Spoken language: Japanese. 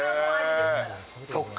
そっか。